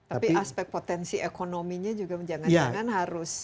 tapi aspek potensi ekonominya juga jangan jangan harus